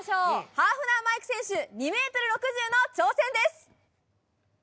ハーフナー・マイク選手２ｍ６０の挑戦です。